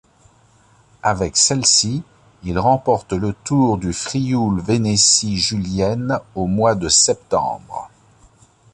Avec celle-ci, il remporte le Tour du Frioul-Vénétie julienne au mois de septembre.